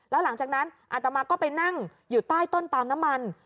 แล้วหลังจากนั้นอาตมาก็ไปนั่งอยู่ใต้ต้นปาล์มน้ำมัน